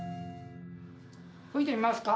吹いてみますか？